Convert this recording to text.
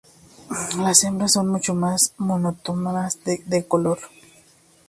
Las hembras son mucho más monótonas de color.